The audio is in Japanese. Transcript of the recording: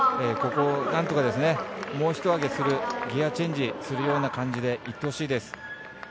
ここをなんとかもうひと上げするギヤチェンジするような感じでいってほしいです。